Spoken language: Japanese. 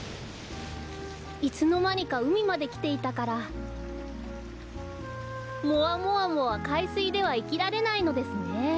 いつのまにかうみまできていたからもわもわもはかいすいではいきられないのですね。